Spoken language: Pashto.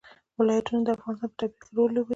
ولایتونه د افغانستان په طبیعت کې رول لوبوي.